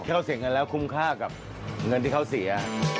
ถ้าเราเสียเงินแล้วคุ้มค่ากับเงินที่เขาเสีย